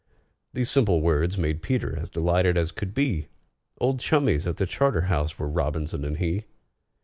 These simple words made PETER as delighted as could be, Old chummies at the Charterhouse were ROBINSON and he!